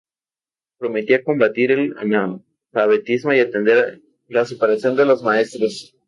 Prometía combatir el analfabetismo y atender la superación de los maestros.